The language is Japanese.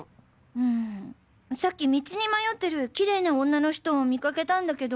うんさっき道に迷ってるきれいな女の人を見かけたんだけど。